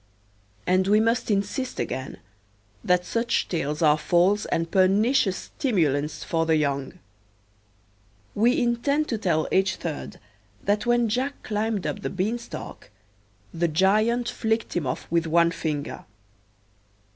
And we must insist again that such tales are false and pernicious stimulants for the young. We intend to tell H. 3d that when Jack climbed up the beanstalk the giant flicked him off with one finger.